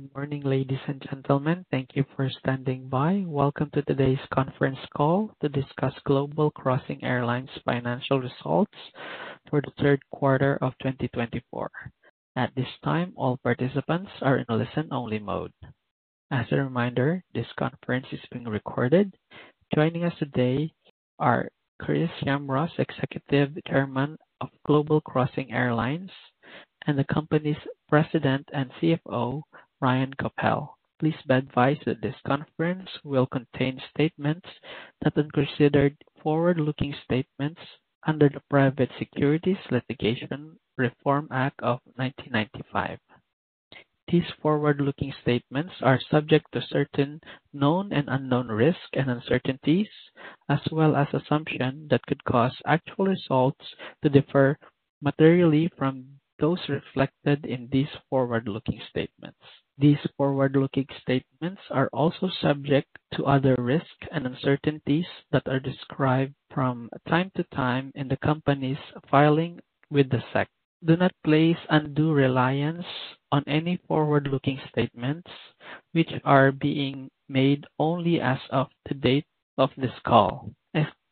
Good morning, ladies and gentlemen. Thank you for standing by. Welcome to today's conference call to discuss Global Crossing Airlines' financial results for the third quarter of 2024. At this time, all participants are in listen-only mode. As a reminder, this conference is being recorded. Joining us today are Chris Jamroz, Executive Chairman of Global Crossing Airlines, and the company's President and CFO, Ryan Goepel. Please be advised that this conference will contain statements that are considered forward-looking statements under the Private Securities Litigation Reform Act of 1995. These forward-looking statements are subject to certain known and unknown risks and uncertainties, as well as assumptions that could cause actual results to differ materially from those reflected in these forward-looking statements. These forward-looking statements are also subject to other risks and uncertainties that are described from time to time in the company's filing with the SEC. Do not place undue reliance on any forward-looking statements, which are being made only as of the date of this call.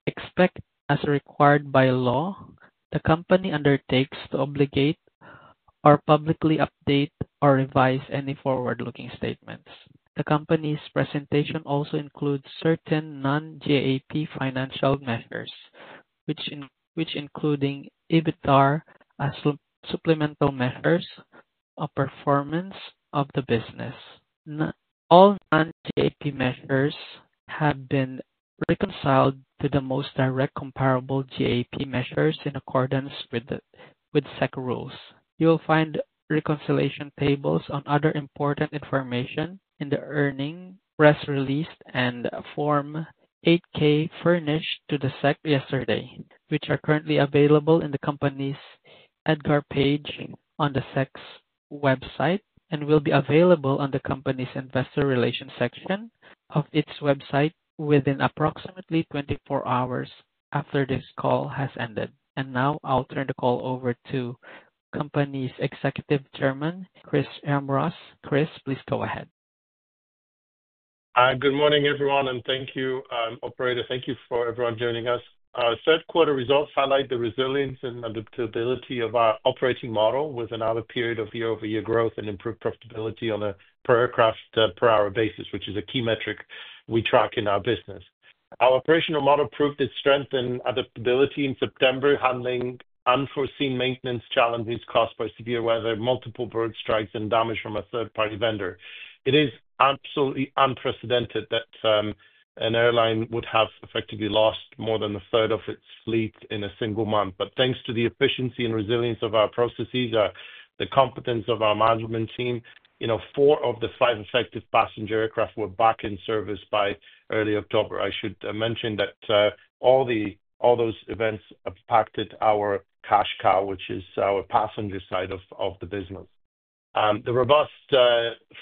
Except, as required by law, the company undertakes no obligation to publicly update or revise any forward-looking statements. The company's presentation also includes certain non-GAAP financial measures, which include EBITDA as supplemental measures of performance of the business. All non-GAAP measures have been reconciled to the most direct comparable GAAP measures in accordance with SEC rules. You will find reconciliation tables on other important information in the earnings press release and Form 8-K furnished to the SEC yesterday, which are currently available in the company's EDGAR page on the SEC's website and will be available on the company's investor relations section of its website within approximately 24 hours after this call has ended. And now I'll turn the call over to the company's Executive Chairman, Chris Jamroz. Chris, please go ahead. Good morning, everyone, and thank you, Operator. Thank you for everyone joining us. Third quarter results highlight the resilience and adaptability of our operating model with another period of year-over-year growth and improved profitability on a per-craft-per-hour basis, which is a key metric we track in our business. Our operational model proved its strength and adaptability in September, handling unforeseen maintenance challenges caused by severe weather, multiple bird strikes, and damage from a third-party vendor. It is absolutely unprecedented that an airline would have effectively lost more than a third of its fleet in a single month. But thanks to the efficiency and resilience of our processes, the competence of our management team, four of the five affected passenger aircraft were back in service by early October. I should mention that all those events impacted our cash cow, which is our passenger side of the business. The robust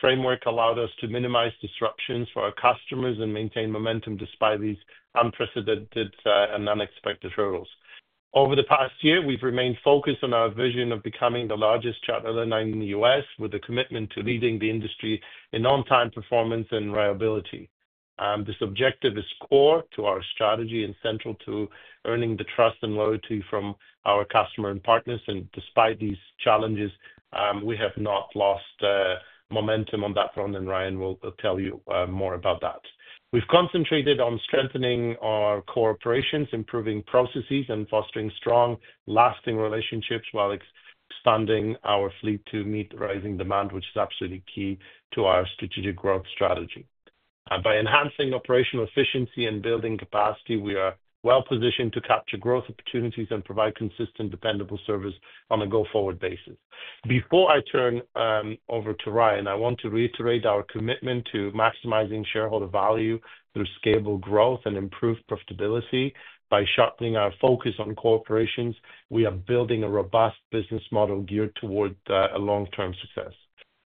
framework allowed us to minimize disruptions for our customers and maintain momentum despite these unprecedented and unexpected hurdles. Over the past year, we've remained focused on our vision of becoming the largest jet airline in the U.S., with a commitment to leading the industry in on-time performance and reliability. This objective is core to our strategy and central to earning the trust and loyalty from our customers and partners. And despite these challenges, we have not lost momentum on that front, and Ryan will tell you more about that. We've concentrated on strengthening our core operations, improving processes, and fostering strong, lasting relationships while expanding our fleet to meet rising demand, which is absolutely key to our strategic growth strategy. By enhancing operational efficiency and building capacity, we are well-positioned to capture growth opportunities and provide consistent, dependable service on a go-forward basis. Before I turn over to Ryan, I want to reiterate our commitment to maximizing shareholder value through scalable growth and improved profitability. By sharpening our focus on core operations, we are building a robust business model geared toward long-term success.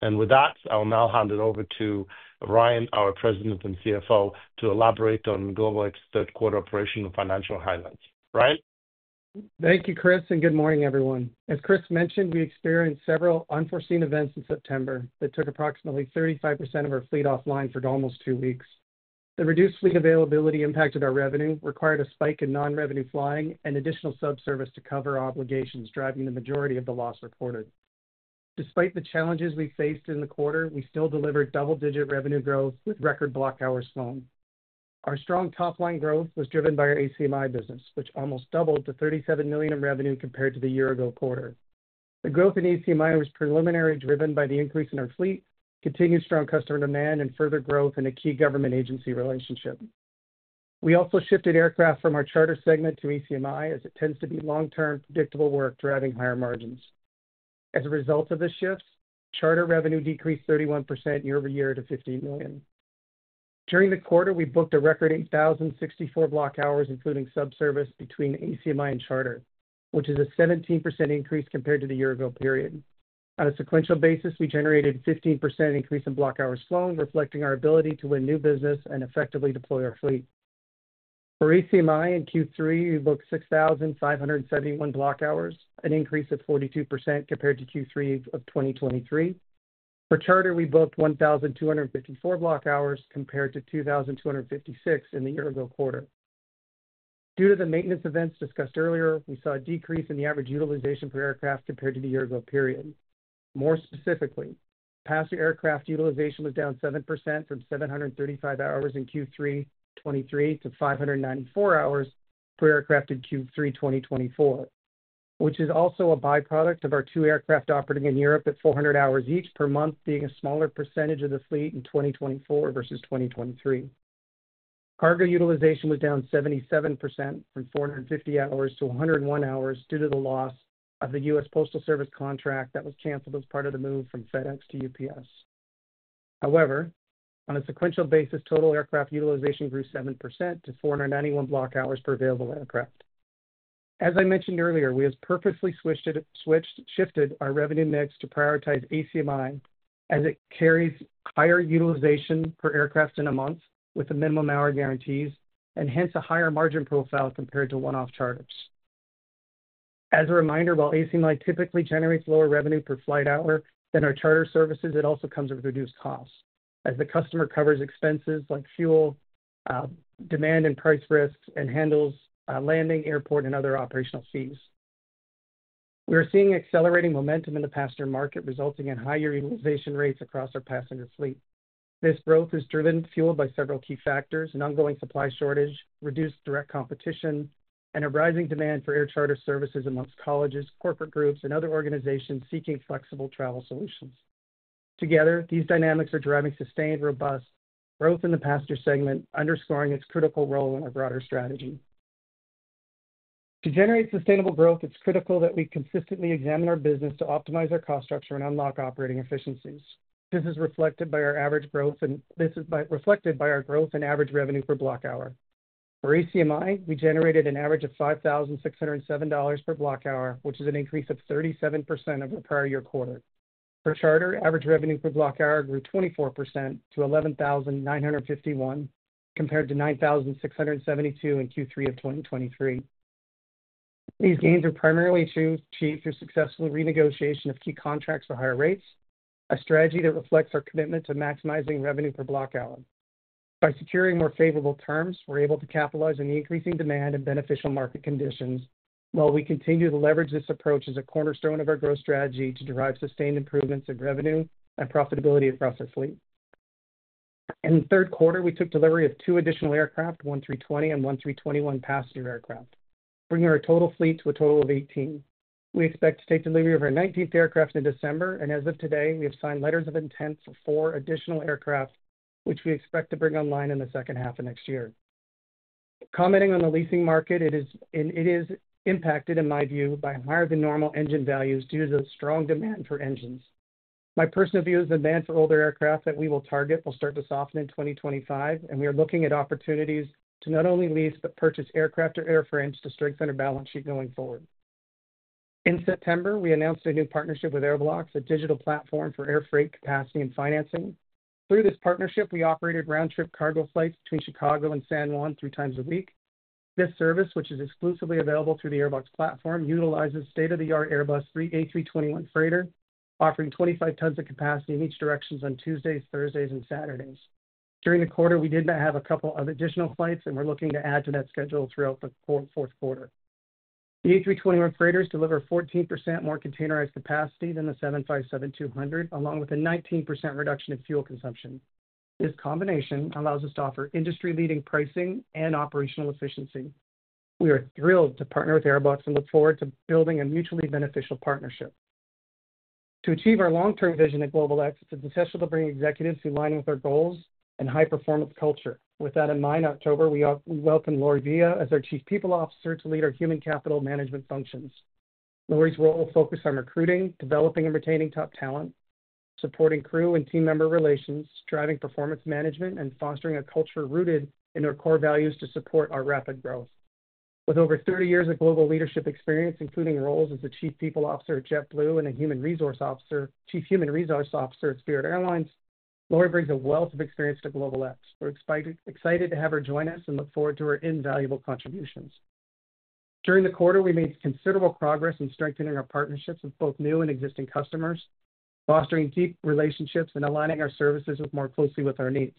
And with that, I'll now hand it over to Ryan, our President and CFO, to elaborate on GlobalX's third-quarter operational financial highlights. Ryan? Thank you, Chris, and good morning, everyone. As Chris mentioned, we experienced several unforeseen events in September that took approximately 35% of our fleet offline for almost two weeks. The reduced fleet availability impacted our revenue, required a spike in non-revenue flying, and additional subservice to cover obligations, driving the majority of the loss reported. Despite the challenges we faced in the quarter, we still delivered double-digit revenue growth with record block hours flown. Our strong top-line growth was driven by our ACMI business, which almost doubled to $37 million in revenue compared to the year-ago quarter. The growth in ACMI was primarily driven by the increase in our fleet, continued strong customer demand, and further growth in a key government agency relationship. We also shifted aircraft from our charter segment to ACMI, as it tends to be long-term, predictable work, driving higher margins. As a result of the shifts, our charter revenue decreased 31% year-over-year to $15 million. During the quarter, we booked a record 8,064 block hours, including subservice between ACMI and charter, which is a 17% increase compared to the year-ago period. On a sequential basis, we generated a 15% increase in block hours flown, reflecting our ability to win new business and effectively deploy our fleet. For ACMI in Q3, we booked 6,571 block hours, an increase of 42% compared to Q3 of 2023. For charter, we booked 1,254 block hours compared to 2,256 in the year-ago quarter. Due to the maintenance events discussed earlier, we saw a decrease in the average utilization per aircraft compared to the year-ago period. More specifically, passenger aircraft utilization was down 7% from 735 hours in Q3 2023 to 594 hours per aircraft in Q3 2024, which is also a byproduct of our two aircraft operating in Europe at 400 hours each per month, being a smaller percentage of the fleet in 2024 versus 2023. Cargo utilization was down 77% from 450 hours to 101 hours due to the loss of the U.S. Postal Service contract that was canceled as part of the move from FedEx to UPS. However, on a sequential basis, total aircraft utilization grew 7% to 491 block hours per available aircraft. As I mentioned earlier, we have purposely shifted our revenue mix to prioritize ACMI as it carries higher utilization per aircraft in a month with the minimum hour guarantees and hence a higher margin profile compared to one-off charters. As a reminder, while ACMI typically generates lower revenue per flight hour than our charter services, it also comes at reduced costs as the customer covers expenses like fuel, demand and price risks, and handles landing, airport, and other operational fees. We are seeing accelerating momentum in the passenger market, resulting in higher utilization rates across our passenger fleet. This growth is driven, fueled by several key factors: an ongoing supply shortage, reduced direct competition, and a rising demand for air charter services among colleges, corporate groups, and other organizations seeking flexible travel solutions. Together, these dynamics are driving sustained, robust growth in the passenger segment, underscoring its critical role in our broader strategy. To generate sustainable growth, it's critical that we consistently examine our business to optimize our cost structure and unlock operating efficiencies. This is reflected by our average growth, and this is reflected by our growth in average revenue per block hour. For ACMI, we generated an average of $5,607 per block hour, which is an increase of 37% over the prior year quarter. For charter, average revenue per block hour grew 24% to $11,951 compared to $9,672 in Q3 of 2023. These gains are primarily achieved through successful renegotiation of key contracts for higher rates, a strategy that reflects our commitment to maximizing revenue per block hour. By securing more favorable terms, we're able to capitalize on the increasing demand and beneficial market conditions while we continue to leverage this approach as a cornerstone of our growth strategy to derive sustained improvements in revenue and profitability across our fleet. In the third quarter, we took delivery of two additional aircraft, one 320 and one 321 passenger aircraft, bringing our total fleet to a total of 18. We expect to take delivery of our 19th aircraft in December, and as of today, we have signed letters of intent for four additional aircraft, which we expect to bring online in the second half of next year. Commenting on the leasing market, it is impacted, in my view, by higher-than-normal engine values due to the strong demand for engines. My personal view is the demand for older aircraft that we will target will start to soften in 2025, and we are looking at opportunities to not only lease but purchase aircraft or airframes to strengthen our balance sheet going forward. In September, we announced a new partnership with Airblox, a digital platform for air freight capacity and financing. Through this partnership, we operated round-trip cargo flights between Chicago and San Juan 3x a week. This service, which is exclusively available through the Airblox platform, utilizes state-of-the-art Airbus A321 freighter, offering 25 tons of capacity in each direction on Tuesdays, Thursdays, and Saturdays. During the quarter, we did not have a couple of additional flights, and we're looking to add to that schedule throughout the fourth quarter. The A321 freighters deliver 14% more containerized capacity than the 757-200, along with a 19% reduction in fuel consumption. This combination allows us to offer industry-leading pricing and operational efficiency. We are thrilled to partner with Airblox and look forward to building a mutually beneficial partnership. To achieve our long-term vision at GlobalX, it's essential to bring executives who align with our goals and high-performance culture. With that in mind, in October, we welcomed Laurie Villa as our Chief People Officer to lead our human capital management functions. Laurie's role will focus on recruiting, developing, and retaining top talent, supporting crew and team member relations, driving performance management, and fostering a culture rooted in our core values to support our rapid growth. With over 30 years of global leadership experience, including roles as the Chief People Officer at JetBlue and a Human Resource Officer, Chief Human Resource Officer at Spirit Airlines, Laurie brings a wealth of experience to GlobalX. We're excited to have her join us and look forward to her invaluable contributions. During the quarter, we made considerable progress in strengthening our partnerships with both new and existing customers, fostering deep relationships, and aligning our services more closely with our needs.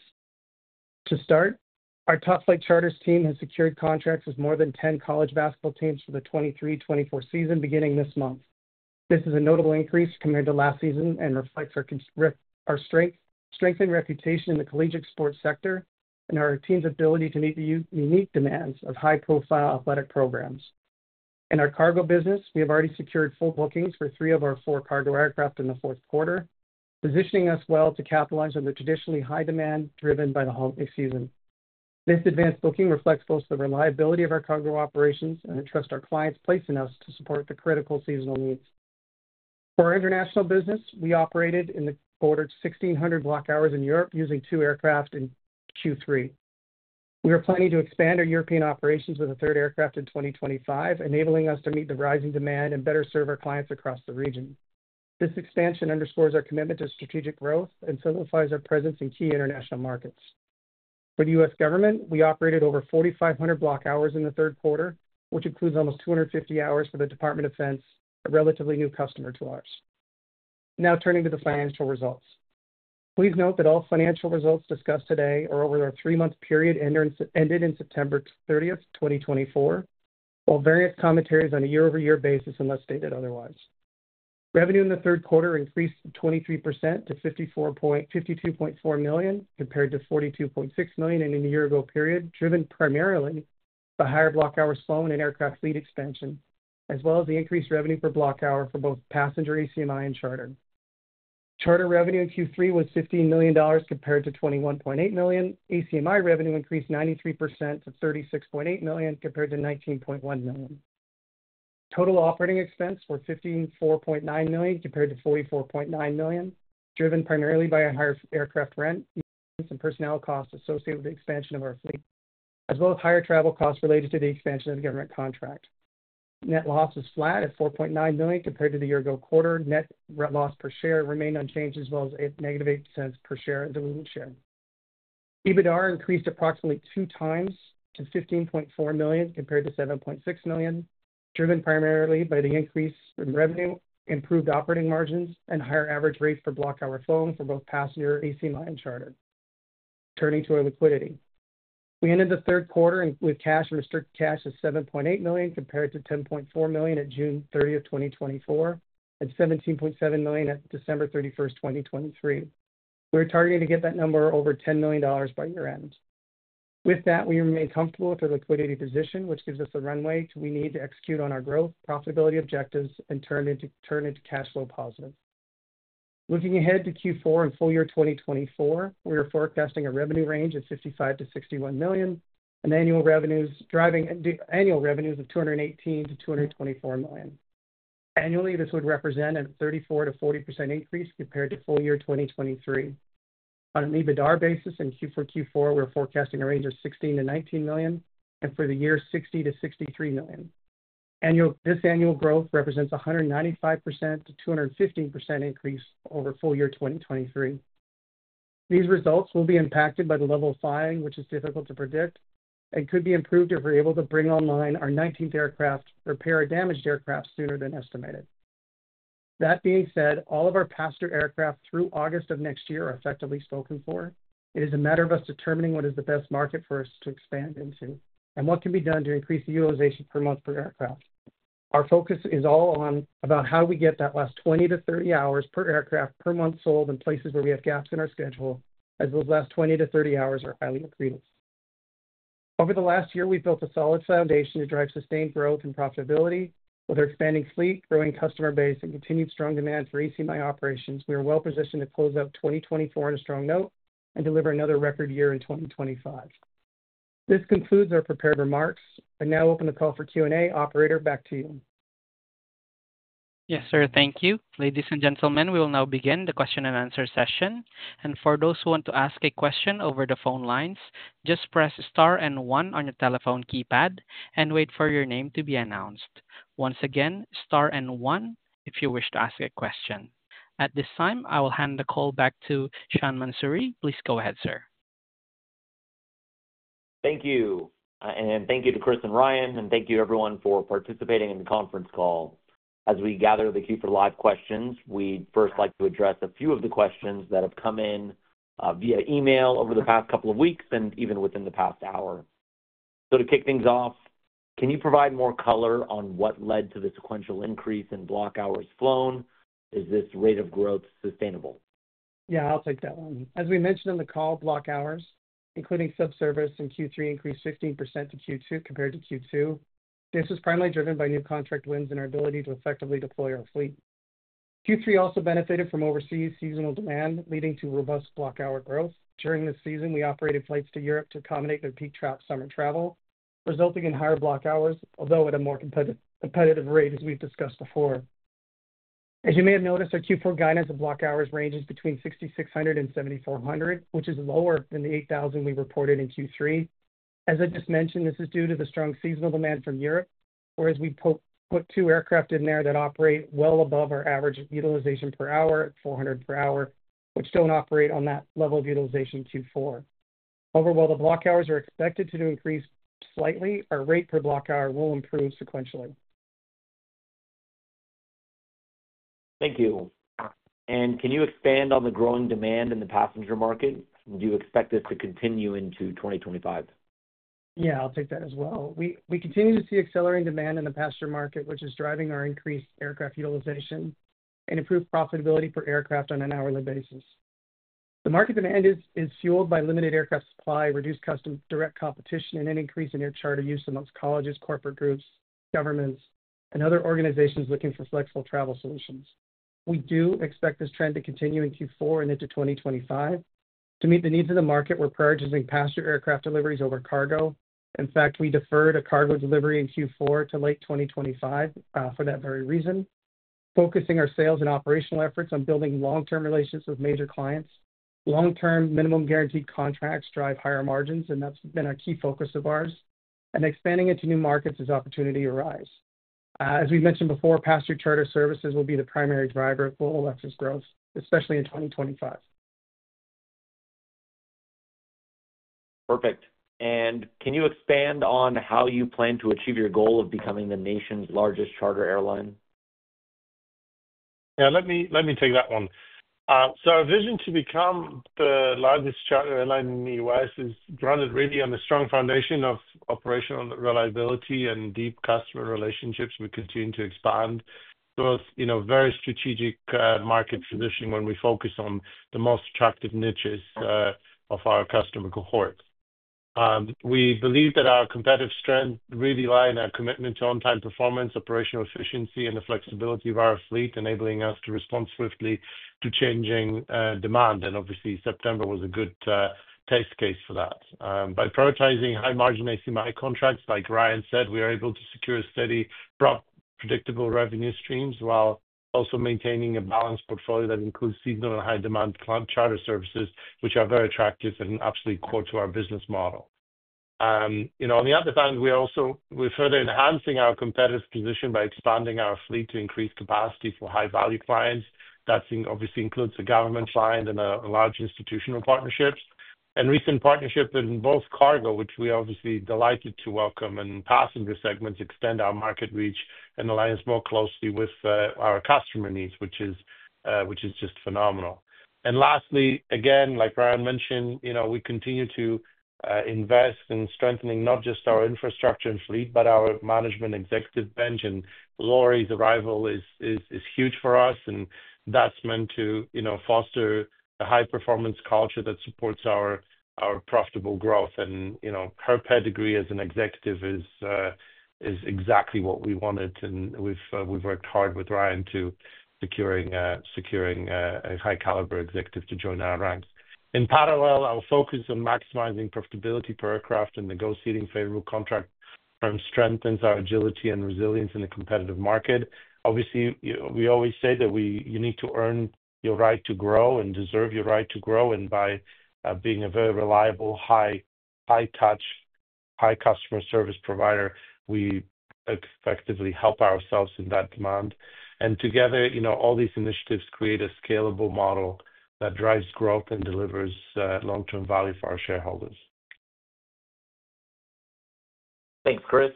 To start, our top-flight charters team has secured contracts with more than 10 college basketball teams for the 2023-2024 season, beginning this month. This is a notable increase compared to last season and reflects our strength and reputation in the collegiate sports sector and our team's ability to meet the unique demands of high-profile athletic programs. In our cargo business, we have already secured full bookings for three of our four cargo aircraft in the fourth quarter, positioning us well to capitalize on the traditionally high demand driven by the holiday season. This advanced booking reflects both the reliability of our cargo operations and the trust our clients place in us to support the critical seasonal needs. For our international business, we operated in the quarter, 1,600 block hours in Europe using two aircraft in Q3. We are planning to expand our European operations with a third aircraft in 2025, enabling us to meet the rising demand and better serve our clients across the region. This expansion underscores our commitment to strategic growth and solidifies our presence in key international markets. For the U.S. government, we operated over 4,500 block hours in the third quarter, which includes almost 250 hours for the U.S. Department of Defense, a relatively new customer to ours. Now, turning to the financial results. Please note that all financial results discussed today are over a three-month period ended in September 30th, 2024, while various commentaries on a year-over-year basis unless stated otherwise. Revenue in the third quarter increased 23% to $52.4 million compared to $42.6 million in the year-ago period, driven primarily by higher block hours flown and aircraft fleet expansion, as well as the increased revenue per block hour for both passenger ACMI and charter. Charter revenue in Q3 was $15 million compared to $21.8 million. ACMI revenue increased 93% to $36.8 million compared to $19.1 million. Total operating expenses were $15.9 million compared to $44.9 million, driven primarily by higher aircraft rent, maintenance, and personnel costs associated with the expansion of our fleet, as well as higher travel costs related to the expansion of the government contract. Net loss was flat at $4.9 million compared to the year-ago quarter. Net loss per share remained unchanged, as well as a -$0.08 per share diluted share. EBITDA increased approximately 2x to $15.4 million compared to $7.6 million, driven primarily by the increase in revenue, improved operating margins, and higher average rates per block hour flown for both passenger ACMI and charter. Turning to our liquidity. We ended the third quarter with cash and restricted cash at $7.8 million compared to $10.4 million at June 30th, 2024, and $17.7 million at December 31st, 2023. We are targeting to get that number over $10 million by year-end. With that, we remain comfortable with our liquidity position, which gives us the runway we need to execute on our growth, profitability objectives, and turn into cash flow positive. Looking ahead to Q4 and full year 2024, we are forecasting a revenue range of $55 million-$61 million and annual revenues of $218 million-$224 million. Annually, this would represent a 34%-40% increase compared to full year 2023. On an EBITDA basis, in Q4, we are forecasting a range of $16 million-$19 million and for the year $60 million-$63 million. This annual growth represents a 195%-215% increase over full year 2023. These results will be impacted by the level of flying, which is difficult to predict and could be improved if we're able to bring online our 19th aircraft or pair a damaged aircraft sooner than estimated. That being said, all of our passenger aircraft through August of next year are effectively spoken for. It is a matter of us determining what is the best market for us to expand into and what can be done to increase the utilization per month per aircraft. Our focus is all about how we get that last 20 to 30 hours per aircraft per month sold in places where we have gaps in our schedule, as those last 20 to 30 hours are highly accretive. Over the last year, we've built a solid foundation to drive sustained growth and profitability. With our expanding fleet, growing customer base, and continued strong demand for ACMI operations, we are well positioned to close out 2024 on a strong note and deliver another record year in 2025. This concludes our prepared remarks. I now open the call for Q&A. Operator, back to you. Yes, sir. Thank you. Ladies and gentlemen, we will now begin the question and answer session. And for those who want to ask a question over the phone lines, just press star and one on your telephone keypad and wait for your name to be announced. Once again, star and one if you wish to ask a question. At this time, I will hand the call back to Sean Mansouri. Please go ahead, sir. Thank you, and thank you to Chris and Ryan, and thank you everyone for participating in the conference call. As we gather the queue for live questions, we'd first like to address a few of the questions that have come in via email over the past couple of weeks and even within the past hour, so to kick things off, can you provide more color on what led to the sequential increase in block hours flown? Is this rate of growth sustainable? Yeah, I'll take that one. As we mentioned on the call, block hours, including subservice in Q3, increased 15% to Q2 compared to Q2. This was primarily driven by new contract wins and our ability to effectively deploy our fleet. Q3 also benefited from overseas seasonal demand, leading to robust block hour growth. During this season, we operated flights to Europe to accommodate their peak summer travel, resulting in higher block hours, although at a more competitive rate, as we've discussed before. As you may have noticed, our Q4 guidance of block hours ranges between $6,600 and $7,400, which is lower than the $8,000 we reported in Q3. As I just mentioned, this is due to the strong seasonal demand from Europe, whereas we put two aircraft in there that operate well above our average utilization per hour, $400 per hour, which don't operate on that level of utilization in Q4. However, while the block hours are expected to increase slightly, our rate per block hour will improve sequentially. Thank you. And can you expand on the growing demand in the passenger market? Do you expect this to continue into 2025? Yeah, I'll take that as well. We continue to see accelerating demand in the passenger market, which is driving our increased aircraft utilization and improved profitability per aircraft on an hourly basis. The market demand is fueled by limited aircraft supply, reduced cutthroat direct competition, and an increase in air charter use among colleges, corporate groups, governments, and other organizations looking for flexible travel solutions. We do expect this trend to continue in Q4 and into 2025 to meet the needs of the market. We're prioritizing passenger aircraft deliveries over cargo. In fact, we deferred a cargo delivery in Q4 to late 2025 for that very reason, focusing our sales and operational efforts on building long-term relations with major clients. Long-term minimum guaranteed contracts drive higher margins, and that's been our key focus of ours. And expanding into new markets as opportunity arises. As we mentioned before, passenger charter services will be the primary driver of GlobalX's growth, especially in 2025. Perfect. And can you expand on how you plan to achieve your goal of becoming the nation's largest charter airline? Yeah, let me take that one. So our vision to become the largest charter airline in the U.S. is grounded really on a strong foundation of operational reliability and deep customer relationships. We continue to expand towards a very strategic market position when we focus on the most attractive niches of our customer cohort. We believe that our competitive strength really lies in our commitment to on-time performance, operational efficiency, and the flexibility of our fleet, enabling us to respond swiftly to changing demand. And obviously, September was a good test case for that. By prioritizing high-margin ACMI contracts, like Ryan said, we are able to secure steady, predictable revenue streams while also maintaining a balanced portfolio that includes seasonal and high-demand charter services, which are very attractive and absolutely core to our business model. On the other hand, we're further enhancing our competitive position by expanding our fleet to increase capacity for high-value clients. That obviously includes the government client and large institutional partnerships. And recent partnership in both cargo, which we are obviously delighted to welcome, and passenger segments extend our market reach and align us more closely with our customer needs, which is just phenomenal. And lastly, again, like Ryan mentioned, we continue to invest in strengthening not just our infrastructure and fleet, but our management executive bench. And Laurie's arrival is huge for us, and that's meant to foster a high-performance culture that supports our profitable growth. And her pedigree as an executive is exactly what we wanted, and we've worked hard with Ryan to secure a high-caliber executive to join our ranks. In parallel, our focus on maximizing profitability per aircraft and negotiating favorable contracts strengthens our agility and resilience in the competitive market. Obviously, we always say that you need to earn your right to grow and deserve your right to grow. And by being a very reliable, high-touch, high-customer service provider, we effectively help ourselves in that demand. And together, all these initiatives create a scalable model that drives growth and delivers long-term value for our shareholders. Thanks, Chris.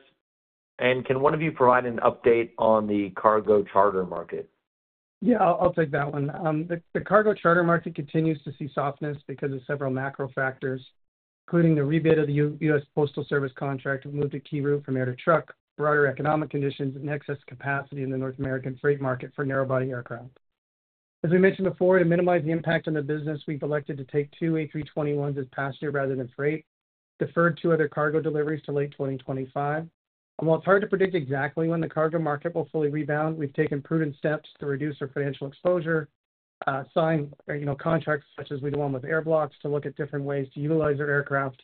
And can one of you provide an update on the cargo charter market? Yeah, I'll take that one. The cargo charter market continues to see softness because of several macro factors, including the rebid of the U.S. Postal Service contract that moved the route from air to truck, broader economic conditions, and excess capacity in the North American freight market for narrow-body aircraft. As we mentioned before, to minimize the impact on the business, we've elected to take two A321s as passenger rather than freight, deferred two other cargo deliveries to late 2025, and while it's hard to predict exactly when the cargo market will fully rebound, we've taken prudent steps to reduce our financial exposure, signed contracts such as we do one with Airblox to look at different ways to utilize our aircraft.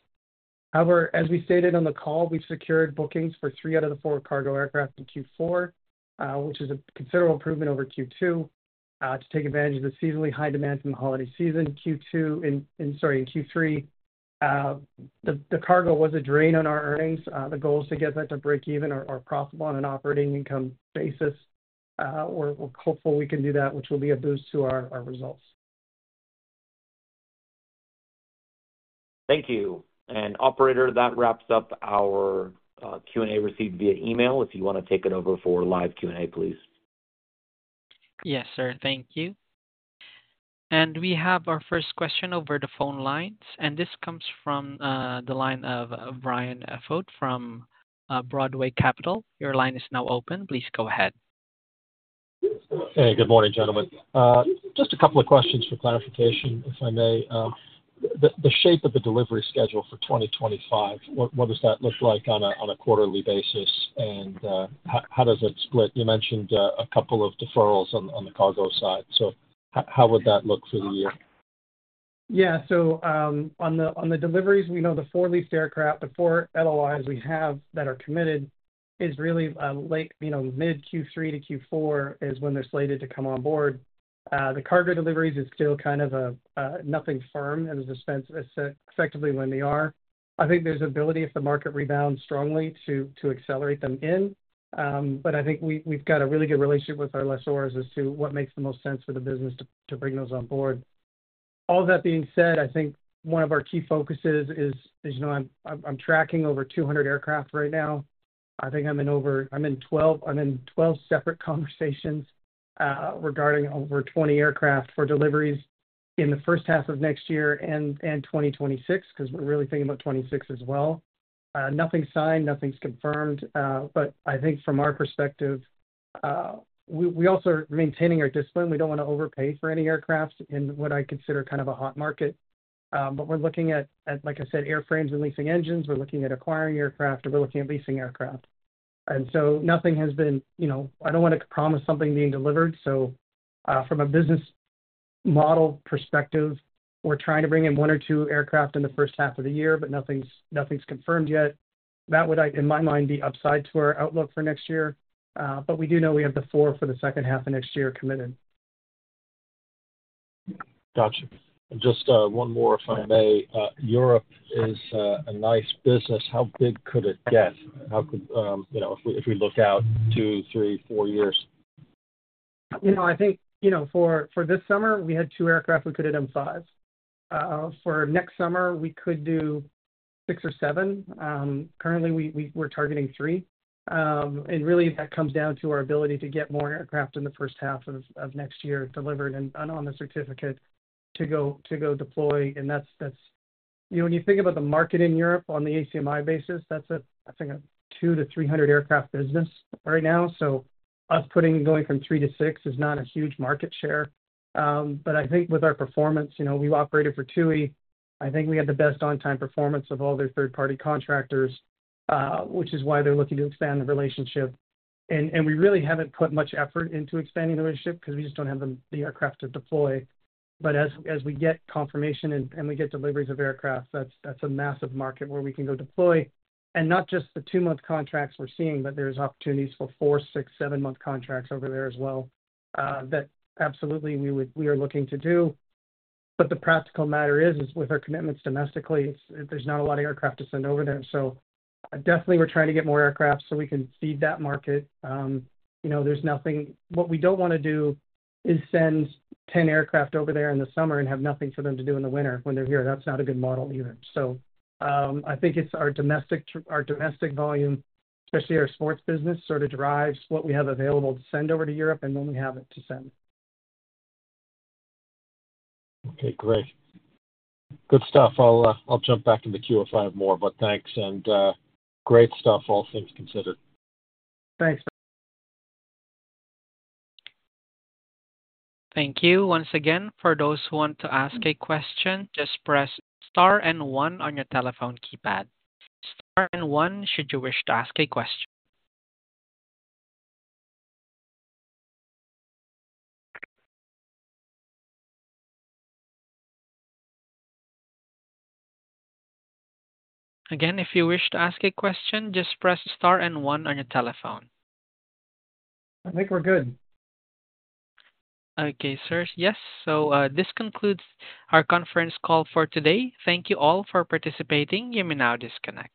However, as we stated on the call, we've secured bookings for three out of the four cargo aircraft in Q4, which is a considerable improvement over Q2, to take advantage of the seasonally high demand from the holiday season. Sorry, in Q3, the cargo was a drain on our earnings. The goal is to get that to break even or profitable on an operating income basis. We're hopeful we can do that, which will be a boost to our results. Thank you and, Operator, that wraps up our Q&A received via email. If you want to take it over for live Q&A, please. Yes, sir. Thank you. And we have our first question over the phone lines. And this comes from the line of Brian Foote from Broadway Capital. Your line is now open. Please go ahead. Hey, good morning, gentlemen. Just a couple of questions for clarification, if I may. The shape of the delivery schedule for 2025, what does that look like on a quarterly basis? And how does it split? You mentioned a couple of deferrals on the cargo side. So how would that look for the year? Yeah. So on the deliveries, we know the four leased aircraft, the four LOIs we have that are committed is really mid-Q3 to Q4 is when they're slated to come on board. The cargo deliveries is still kind of nothing firm, and it's effectively when they are. I think there's ability, if the market rebounds strongly, to accelerate them in. But I think we've got a really good relationship with our lessors as to what makes the most sense for the business to bring those on board. All of that being said, I think one of our key focuses is. I'm tracking over 200 aircraft right now. I think I'm in 12 separate conversations regarding over 20 aircraft for deliveries in the first half of next year and 2026 because we're really thinking about 2026 as well. Nothing's signed, nothing's confirmed, but I think from our perspective, we also are maintaining our discipline. We don't want to overpay for any aircraft in what I consider kind of a hot market, but we're looking at, like I said, airframes and leasing engines. We're looking at acquiring aircraft, and we're looking at leasing aircraft, and so nothing has been. I don't want to promise something being delivered. From a business model perspective, we're trying to bring in one or two aircraft in the first half of the year, but nothing's confirmed yet. That would, in my mind, be upside to our outlook for next year. But we do know we have the four for the second half of next year committed. Gotcha. And just one more, if I may. Europe is a nice business. How big could it get? If we look out two, three, four years? I think for this summer, we had two aircraft. We could have done five. For next summer, we could do six or seven. Currently, we're targeting three. And really, that comes down to our ability to get more aircraft in the first half of next year delivered and on the certificate to go deploy. And when you think about the market in Europe on the ACMI basis, that's a, I think, a 200-300 aircraft business right now. So us going from three to six is not a huge market share. But I think with our performance, we've operated for TUI. I think we have the best on-time performance of all their third-party contractors, which is why they're looking to expand the relationship. And we really haven't put much effort into expanding the real relationship because we just don't have the aircraft to deploy. But as we get confirmation and we get deliveries of aircraft, that's a massive market where we can go deploy. And not just the two-month contracts we're seeing, but there's opportunities for four, six, seven-month contracts over there as well that absolutely we are looking to do. But the practical matter is, with our commitments domestically, there's not a lot of aircraft to send over there. So definitely, we're trying to get more aircraft so we can feed that market. What we don't want to do is send 10 aircraft over there in the summer and have nothing for them to do in the winter when they're here. That's not a good model either. So I think it's our domestic volume, especially our sports business, sort of drives what we have available to send over to Europe, and then we have it to send. Okay, great. Good stuff. I'll jump back in the queue if I have more, but thanks. And great stuff, all things considered. Thanks. Thank you. Once again, for those who want to ask a question, just press star and one on your telephone keypad, star and one should you wish to ask a question. Again, if you wish to ask a question, just press star and one on your telephone. I think we're good. Okay, sir. Yes. So, this concludes our conference call for today. Thank you all for participating. You may now disconnect.